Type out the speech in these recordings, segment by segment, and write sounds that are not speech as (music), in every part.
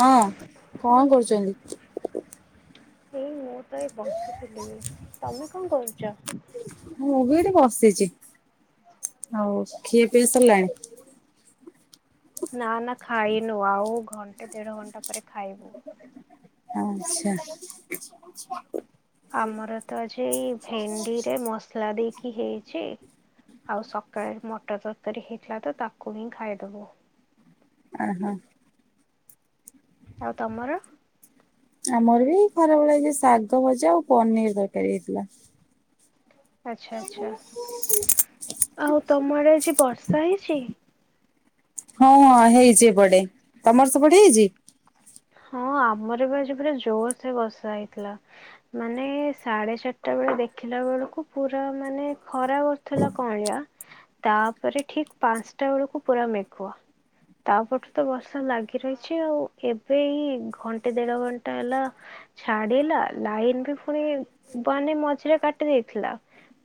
ହଁ କଁ କରୁଚନ୍ତି? ଏଇ ମୁଁ ତ ଏଇ ବସିଥିଲି ତମେ କଁ କରୁଚ? ମୁଁ ବି ଏଠି ବସିଚି ଆଉ ଖିଆ ପିଆ ସର୍ ଲାଣି? ନା ନା ଖାଇନୁ ଆଉ ଘଣ୍ଟେ ଦେଢ ଘଣ୍ଟା ପରେ ଖାଇବୁ। ଆଚ୍ଛା। ଛ ଆମର ତ ଆଜି ଏଇ ଭେଣ୍ଡିରେ ମସଲା ଦେଇକି ହେଇଛି। ଆଉ ସକାଳେ ମଟର୍ ତରକାରୀ ହେଇଥିଲା ତ ତାକୁ ହିଁ ଖାଇଦବୁ। ଆହ। ଆଉ ତମର? ଆମର ବି ଖରା ବେଳେ ଆଜି ଶାଗ ଭଜା ଆଉ ପନିର୍ ତରକାରୀ ହେଇଥିଲା। ଆଚ୍ଛା ଆଚ୍ଛା ଆଉ ତମ ଆଡେ ବର୍ଷା ହେଇଛି? ହଁ ହେଇଚି ଏପଡେ ତମର ସେପଡେ ହେଇଚି? ହଁ ଆମର ବି ଆଜି ପୁରା ଜୋର୍ ସେ ବର୍ଷା ହେଇଥିଲା। ମାନେ ସାଢେ ଚାରିଟା ବେଳେ ଦେଖିଲା ବେଳକୁ ପୁରା ମାନେ ଖରା କରୁଥିଲା କଁ ଳିଆ ତାପରେ ଠିକ୍ ପାଁଶ୍ ଟା ବେଳକୁ ପୁରା ମେଘୁଆ। ତା ପରଠୁ ତ ବର୍ଷା ଲାଗି ରହିଛି ଆଉ ଏ ବେ ଏଇ ଘଣ୍ଟେ ଦେଢ ଘଣ୍ଟା ହେଲା ଛାଡିଲା ଲାଇନ୍ ବି ପୁଣି ବାନେ ମଝିରେ କାଟି ଦେଇଥିଲା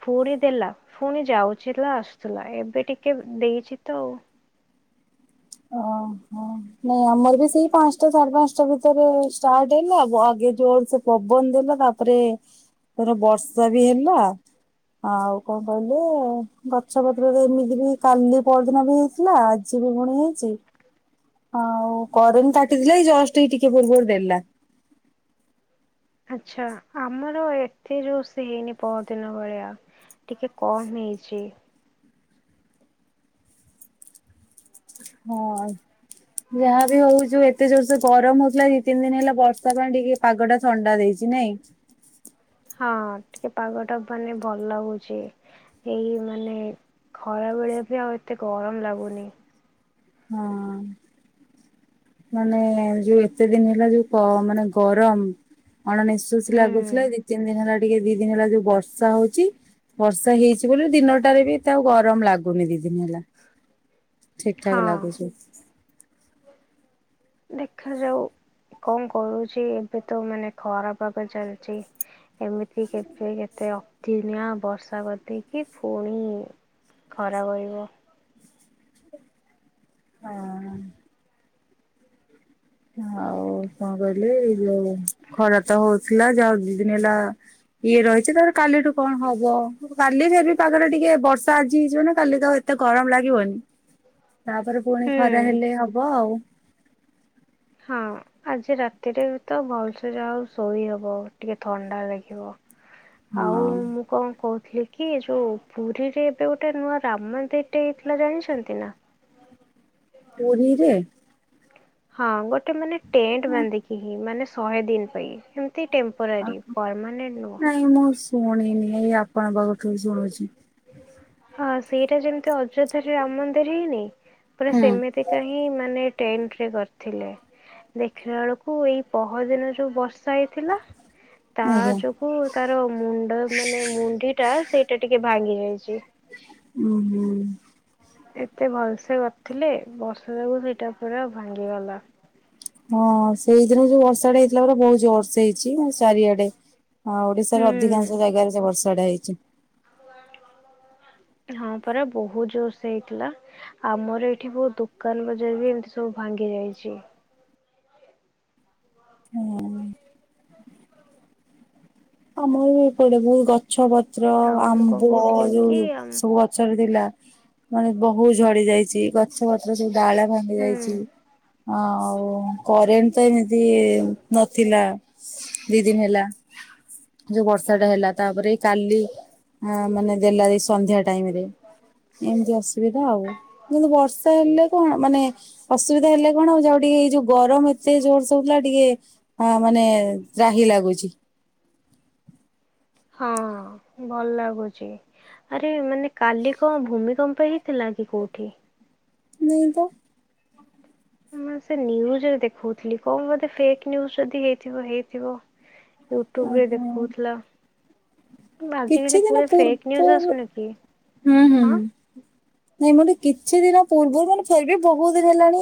ପୁଣି ଦେଲା ଫୁଣି ଯାଉଛିଲା ଆସୁଥିଲା ଏବେ ଟିକେ ଦେଇଚି ତ ଆଉ। ଓ ହୋ। ନାଇଁ ଆମର ବି ସେଇ ପାଁଶ୍ ଟା ସାଢେ ପାଁଶ୍ ଟା ଭିତରେ ଷ୍ଟାର୍ଟ୍ ହେଲା ବ ଆଗେ ଯୋର୍ ସେ ପବନ ଦେଲା ତା ଏବେ ବର୍ଷା ବି ହେଲା। ଆଉ କଣ କହିଲୁ ଗଛ ପତ୍ରରେ ଏମିତି ବି କାଲି ପରଦିନ ବି ଥିଲା ଆଜି ବି ପୁଣି ହେଇଛି। ଆଉ କରେଣ୍ଟ କାଟିଥିଲା ଏଇ ଜଷ୍ଟ ଏଇ ଟିକେ ପୂର୍ବରୁ ଦେଲା। ଆଛା ଆମର ଏତେ ଯୋର ସେ ହେଇନି ପର ଦିନ ଭଳିଆ। ଟିକେ କମ୍ ହେଇଛି। ହଁ। ଯାହା ବିି ହୋଉ ଯୋଉ ଏତେ ଜୋରସେ ଗରମ ହୋଉଥିଲା ଦି ତିନି ଦିନ ହେଲା ବର୍ଷା ପାଇଁ ଟିକେ ପାଗ ଟା ଥଣ୍ଡା ଦେଇଛି ନାଇଁ। ହଁ ଟିକେ ପାଗ ଟା ମାନେ ଭଲ ଲାଗୁଚି। ଏଇ ମାନେ ଖରାବେଳେ ବି ଆଉ ଏତେ ଗରମ ଲାଗୁନି। ହଁ। ମାନେ ଯୋଉ ଏତେ ଦିନ ହେଲା ଯୋଉ ମାନେ ଗରମ। ଅଣ ନିଶ୍ବାସି ହୁଁ ଲାଗୁଥିଲା ଏଇ ଦି ତିନି ଦିନ ହେଲା ଟିକେ ଦି ଦିନ ହେଲା ଯୋଉ ବର୍ଷା ହୋଉଚି ବର୍ଷା ହେଇଚି ବୋଲି ଦିନଟାରେ ବି ଏତେ ଆଉ ଗରମ ଲାଗୁନି ଦିଦିନ ହେଲା। ଠିକ୍ ଠାକ ହଁ ଲାଗୁଚି। ଦେଖାଯାଉ କଣ କରୁଚି ଏବେ ତ ମାନେ ଖରାପାଗ ଚାଲିଚି। ଏମିତି କେତେ କେତେ ଅତିନିଆ ବର୍ଷା କରିଚିକି ପୁଣି ଖରା କରିବ। ଅହଁ। ଆଉ କଣ କହିଲି ଏଇ ଯୋଉ ଖରା ତ ହୋଉଥିଲା ଯାହୋଉ ଦି ଦିନ ହେଲା ଇଏ ରହିଛି ତାର କାଲିଠୁ କଣ ହବ? କାଲି ଯଦି ପାଗଟା ଟିକେ ବର୍ଷା ଆଜି ହେଇଚି ମାନେ କାଲି ତ ଆଉ ଏତେ ଗରମ ଲାଗିବନି। ତାପରେ ପୁଣି ଖରା ହୁଁ। ହେଲେ ହବ ଆଉ। ହଁ। ଆଜି ରାତିରେ ବି ତ ଭଲସେ ଯାହା ହୋଉ ଶୋଇ ହବ ଟିକେ ଥଣ୍ଡା ଲାଗିବ। ଆଉ ହଁ ମୁଁ କଣ କହୁଥିଲି କି ଯୋଉ ପୁରୀରେ ଏବେ ଗୋଟେ ନୂଆ ରାମ୍ ମନ୍ଦିରଟେ ହେଇଥିଲା ଜାଣିଛନ୍ତି ନା? ପୁରୀରେ। ହଁ ଗୋଟେ ମାନେ ଟେଣ୍ଟ ବାନ୍ଧିକି ହି ମାନେ ଶହେ ଦିନ ପାଇଁ ଏମତି ଅହ ନାଇଁ ମୁଁ ଶୁଣିନି ଏଇ ଆପଣଙ୍କ ଠୁ ଶୁଣୁଛି। ହଁ ସେଇଟା ଯେମିତି ଅଯୋଧ୍ୟାରେ ରାମ ମନ୍ଦିର ହେଇନି ପୁରା ସେମିତି ସେମିତିକାହିଁ ମାନେ ଟେଣ୍ଡେରେ କରିଥିଲେ। ଦେଖିଲା ବେଳକୁ ଏଇ ପହର ଦିନ ଯୋଉ ବର୍ଷା ହେଇଥିଲା। ତା ଆଜ୍ଞା ଯୋଗୁ ତାର ମୁଣ୍ଡ ମାନେ ମୁଣ୍ଡି ଟା ସେଇଟା ଟିକେ ଭାଙ୍ଗି ଯାଇଚି। ଉଁ ହୁଁ। ଏତେ ଭଲସେ କରିଥିଲେ ବର୍ଷା ଯୋଗୁ ସେଇଟା ପୁରା ଭାଙ୍ଗିଗଲା। ହଁ ସେଇଦିନ ଯୋଉ ବର୍ଷାଟେ ହେଇଥିଲା ପୁରା ବହୁତ୍ ଜୋର୍ ସେ ହେଇଛି ମାନେ ଚାରିଆଡେ। ହଁ ଓଡିଶାର ହୁଁ ଅଧିକାଂଶ ଜାଗାରେ ସେ ବର୍ଷା ଟା ହେଇଛି। ହଁ ପରା ବହୁତ ଜୋର୍ ସେ ହେଇଥିଲା। ଆମର ଏଠି ବହୁତ ଦୋକାନ ବଜାର ବି ଏମିତି ସବୁ ଭାଙ୍ଗି ଯାଇଛି। ହଁହଁ। ଆମର ବି ଏପଟେ ବହୁତ୍ ଗଛ ଗଛ ପତ୍ର ଆଉ ମୁଁ କଣ ଆମ୍ବ କହୁଥିଲି କି ଯୋଉ ସବୁ ହୁଁ ଗଛରେ ଥିଲା ମାନେ ବହୁତ୍ ଝଡି ଯାଇଚି, ଗଛ ପତ୍ର ସବୁ ଡାଳ ଭାଙ୍ଗି ଯାଇଚି। ଆଉ କରେଣ୍ଟ ତ ଏମିତି ନଥିଲା ଦି ଦିନି ହେଲା। ଯୋଉ ବର୍ଷା ଟା ହେଲା, ତାପରେ କାଲି ଅଁ ମାନେ ଦେଲା ଏଇ ସନ୍ଧ୍ୟା ଟାଇମ୍ ରେ। ଏମତି ଅସୁବିଧା ଆଉ। କିନ୍ତୁ ବର୍ଷା ହେଲେ କଣ ମାନେ ଅସୁବିଧା ହେଲେ କଣ ଯାହା ହଉ ଟିକେ ଏଇ ଯୋଉ ଗରମ ଏତେ ଜୋରସେ ହଉଥିଲା ଟିକେ ହଁ ମାନେ ତ୍ରାହି ଲାଗୁଚି। ହଁ ଭଲ ଲାଗୁଚି। ଆରେ ମାନେ କାଲି କଣ ଭୂମିକମ୍ପ ହେଇଥିଲା କି କୋଉଠି? ନାଇଁ ତ। ମୁଁ ସେ ନ୍ୟୁଜ ଦେଖଉଥିଲି, କଣ ବୋଧେ ଫେକ୍ ନ୍ୟୁଜ ଯଦି ହେଇଥିବ ହେଇଥିବ। ୟୁଟ୍ୟୁବ ରେ ଓହୋ ଦେଖଉଥିଲା ଆଜିକାଲି କିଛି ଦିନ ପୁରା ଫେକ୍ ନ୍ୟୁଜ ପୂର୍ବରୁ ଆସୁନି କି ହୁଁ ହୁଁ। ହଁ ନାଇଁ ମାନେ କିଛି ଦିନ ପୂର୍ବରୁ ମାନେ ଫେର୍ ବି ବହୁତ୍ ଦିନ ହେଲାଣି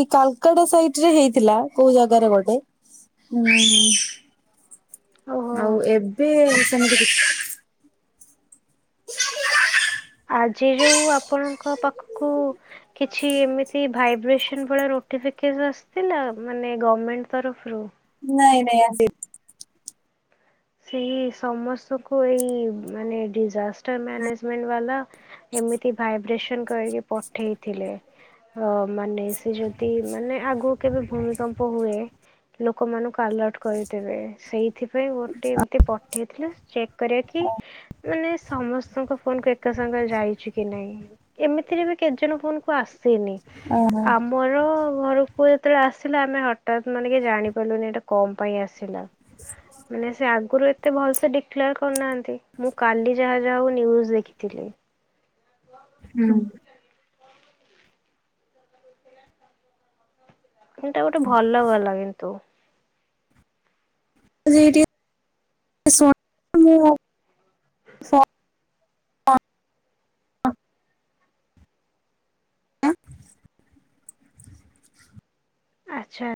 ଏଇ କାଲକାଟା ସାଇଟ୍ ରେ ହେଇଥିଲା କୋଉ ଜାଗାରେ ଗୋଟେ। ଓହୋ ଆଉ ଏବେ ସେମିତି କିଛି ଆଜି ଯଉ ଆପଣଙ୍କ ପାଖକୁ କିଛି ଏମିତି ଭାଇବ୍ରେସନ୍ ଭଳିଆ ନୋଟିଫିକେସ ଆସିଥିଲା ମାନେ ଗମେଣ୍ଟ ତରଫରୁ? ନାଇଁ ନାଇଁ ଆସି ସେଇ ସମସ୍ତଙ୍କୁ ଏଇ ମାନେ ଡିଜାସ୍ ଷ୍ଟର୍ ମ୍ୟାନେଜମେଣ୍ଟ ବାଲା ଏମିତି ଭାଇବ୍ରେସନ୍ କରିକି ପଠେଇଥିଲେ। ହଁ ମାନେ ସେ ଯଦି ମାନେ ଆଗକୁ କେବେ ଭୂମିକମ୍ପ ହୁଏ ଲୋକମାନଙ୍କୁ ଆଲର୍ଟ କରିଦେବେ। ସେଇଥିପାଇଁ ମୋ ତେ ପଠେଇଥିଲ ଚେକ୍ କରେ କି ମାନେ ସମସ୍ତଙ୍କ ଫୋନ କୁ ଏକା ସାଙ୍ଗେ ଯାଇଚି କି ନାଇଁ। ଏମିତିରେ ବି କେତେଜଣ ଫୋନ କୁ ଆସ୍ ସେନି। ଓହୋ। ଆମର ଘରକୁ ଯେତେବେଳେ ଆସିଲା ଆମେ ହଠାତ୍ ମାନେ କିଛି ଜାଣି ପାରିଲୁନି ଏଟା କଣ ପାଇଁ ଆସିଲା। ମାନେ ସେ ଆଗରୁ ଏତେ ଭଲ ସେ ଡିକଲାର କରିନାହାନ୍ତି। ମୁଁ କାଲି ଯାହା ଯାହା ହଉ ନ୍ୟୁଜ ଦେଖିଥିଲି। (unintelligible) (unintelligible) ଏଇଟା ଗୋଟେ ଭଲ କଲା କିନ୍ତୁ। ସେଇଠି (unintelligible) ମୁଁ (unintelligible) ଆଚ୍ଛା।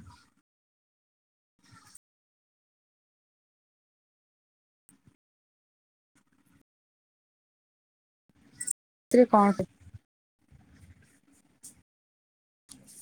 (unintelligible) କଣ ଟେ?